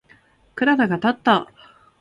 クララがたった。